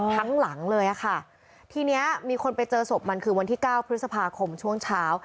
ทั้งหลังเลยอะค่ะทีเนี้ยมีคนไปเจอศพมันคือวันที่เก้าพฤษภาคมช่วงเช้า